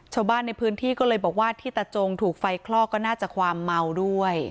ชาวบ้านในพื้นที่ก็เลยบอกว่าที่ตาจงถูกไฟคลอกก็น่าจะความเมาด้วย